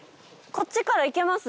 こっちから行けます。